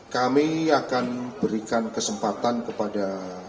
kami akan berikan kesempatan kepada